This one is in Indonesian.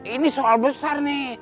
ini soal besar nih